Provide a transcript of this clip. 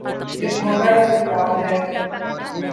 یہ بھونڈا استدلال ہے۔